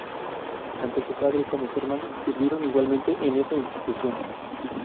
Tanto su padre como su hermano sirvieron igualmente en esa institución.